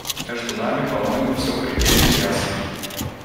Между нами, по-моему, все предельно ясно.